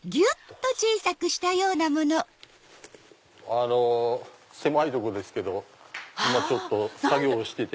あの狭いとこですけど今ちょっと作業をしてて。